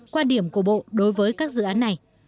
quan điểm của bộ đối với các dự án này